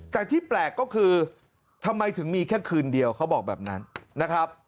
แต่ที่แปลกก็คือทำไมถึงมีแค่คืนเดียวเขาบอกแบบนั้นนะครับ